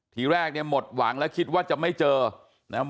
ทีแรกเนี่ยหมดหวังแล้วคิดว่าจะไม่เจอนะครับ